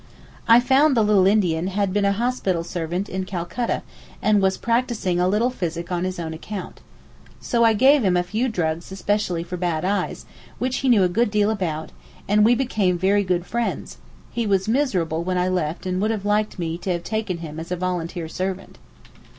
I found the little Indian had been a hospital servant in Calcutta, and was practising a little physic on his own account. So I gave him a few drugs especially for bad eyes, which he knew a good deal about, and we became very good friends; he was miserable when I left and would have liked me to have taken him as a volunteer servant.